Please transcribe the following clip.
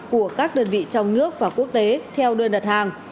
của các đơn vị trong nước và quốc tế theo đơn đặt hàng